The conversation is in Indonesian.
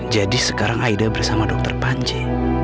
jadi sekarang aida bersama dokter panji